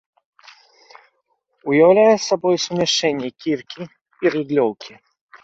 Уяўляе сабой сумяшчэнне кіркі і рыдлёўкі.